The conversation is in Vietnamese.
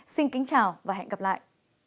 xin kính chào và hẹn gặp lại